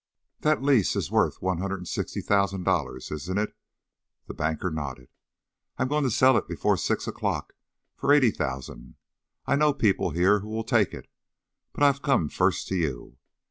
"That lease is worth one hundred and sixty thousand dollars, isn't it?" The banker nodded. "I'm going to sell it before six o'clock for eighty thousand. I know people here who will take it, but I've come first to you.